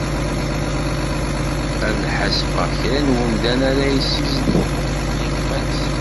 Ad ḥasbeɣ kra n umdan ara yessizzlen idammen n gma-s.